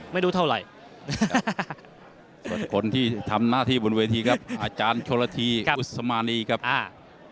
ไม่รู้เท่าไหร่ส่วนคนที่ทำหน้าที่บนเวทีครับอาจารย์โชลธีกุศมานีครับอ่า